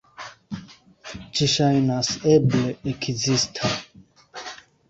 Ĝi ŝajnas eble ekzista.